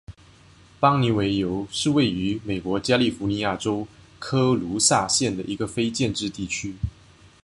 邦妮维尤是位于美国加利福尼亚州科卢萨县的一个非建制地区。